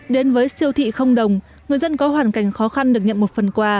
đến với siêu thị không đồng người dân có hoàn cảnh khó khăn được nhận một phần quà